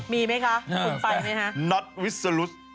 มีมั้ยคะฝุ่นไฟมั้ยคะ